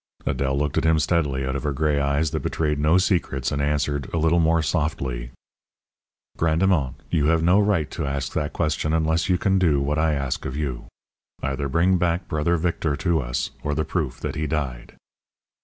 Adèle looked at him steadily out of her gray eyes that betrayed no secrets and answered, a little more softly: "Grandemont, you have no right to ask that question unless you can do what I ask of you. Either bring back brother Victor to us or the proof that he died."